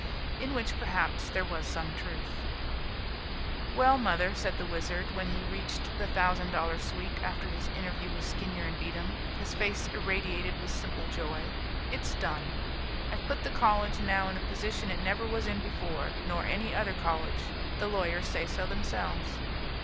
In which, perhaps, there was some truth. "Well, mother," said the Wizard, when he reached the thousand dollar suite, after his interview with Skinyer and Beatem, his face irradiated with simple joy, "it's done. I've put the college now in a position it never was in before, nor any other college; the lawyers say so themselves."